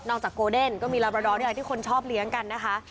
จากโกเดนก็มีลาบราดอด้วยอะไรที่คนชอบเลี้ยงกันนะคะ